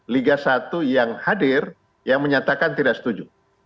tidak ada satu yang hadir yang menyatakan tidak setuju